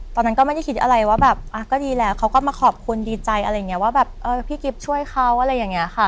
ตอนนั้นไม่ได้คิดอะไรว่าก็ดีแหละเขาก็มาขอบคุณดีใจเพราะพี่กิฟต์ช่วยเขา